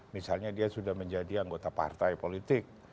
misalnya dia sudah menjadi anggota partai politik